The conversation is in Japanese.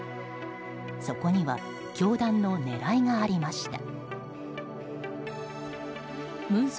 そこには教団の狙いがありました。